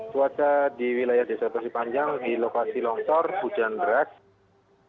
suara di wilayah desa pasipanjang di lokasi longcor hujan berat